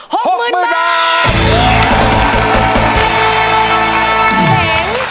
หกหมื่นบาท